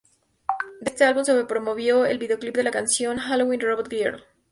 De este álbum se promovió el videoclip de la canción "Halloween Robot Girl".